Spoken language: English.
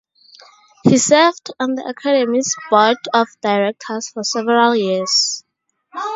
He served on the Academy's board of directors for several years.